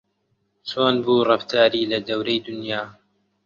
چۆن بوو ڕەفتاری لە دەورەی دونیا